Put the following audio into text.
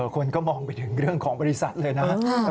คนก็มองไปถึงเรื่องของบริษัทเลยนะ